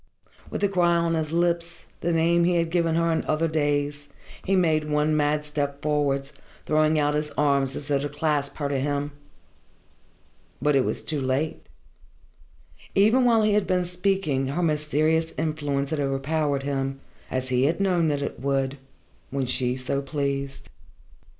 With the cry on his lips the name he had given her in other days he made one mad step forwards, throwing out his arms as though to clasp her to him. But it was too late. Even while he had been speaking her mysterious influence had overpowered him, as he had known that it would, when she so pleased.